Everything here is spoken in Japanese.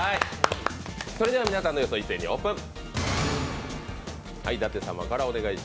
それでは、皆さんの予想を一斉にオープン。